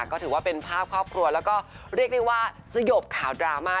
ก็ถือว่าเป็นภาพครอบครัวแล้วก็เรียกได้ว่าสยบข่าวดราม่า